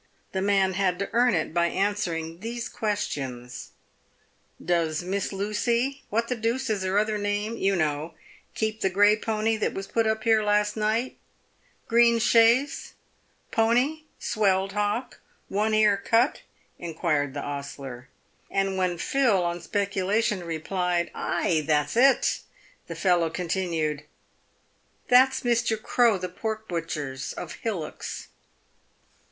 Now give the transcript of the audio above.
The man had to earn it by answering these questions :" Does Miss Lucy — what the deuce is her other name? — you know — keep the grey pony that was put up here last night ?"—" Green chaise ?— pony, swelled hock ?— one ear cut ?" inquired the ostler. And when Phil on speculation replied, "Ay, that's it!" the fellow continued, " That's Mr. Crow the pork butcher's, of Hillocks."